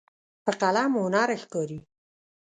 په قلم هنر ښکاري.